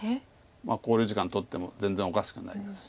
考慮時間取っても全然おかしくないですし。